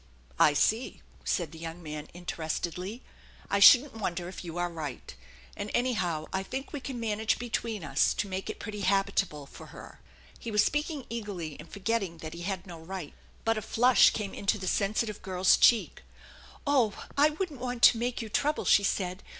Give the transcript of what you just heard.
" I see," said the young man interestedly. " I shouldn't wonder if you are right. And anyhow I think we can manage between us to make it pretty habitable for her." He was speak THE ENCHANTED BARN 53 ing eagerly and forgetting that he had no right, but a flush came into the sensitive girl's cheek. " Oh, I wouldn't want to make you trouble," she said.